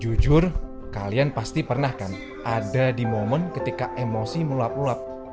jujur kalian pasti pernah kan ada di momen ketika emosi meluap ulap